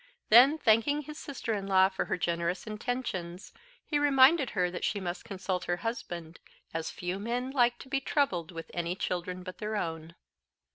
Then thanking his sister in law for her generous intentions, he reminded her that she must consult her husband, as few men liked to be troubled with any children but their own.